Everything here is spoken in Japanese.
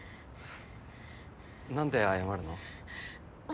何で謝るの？